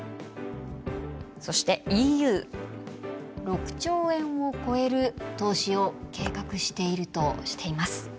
そしてＥＵ６兆円を超える投資を計画しているとしています。